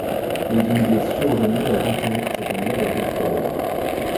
Mais une blessure au genou va compromettre sa carrière de cascadeur.